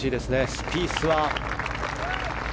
スピースは。